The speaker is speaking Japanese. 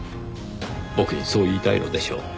僕にそう言いたいのでしょう。